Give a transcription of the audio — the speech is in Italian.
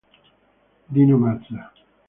Dino Mazza